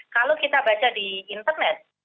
kalau kita baca di internet